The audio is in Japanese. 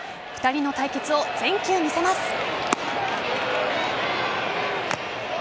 ２人の対決を全球見せます。